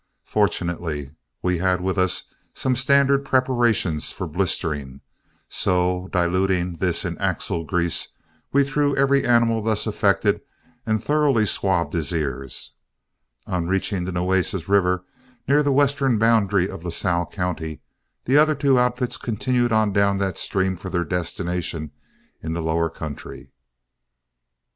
Fortunately we had with us some standard preparations for blistering, so, diluting this in axle grease, we threw every animal thus affected and thoroughly swabbed his ears. On reaching the Nueces River, near the western boundary of Lasalle County, the other two outfits continued on down that stream for their destination in the lower country.